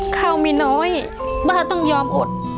ข้าวมีน้อยบ้าต้องยอมอด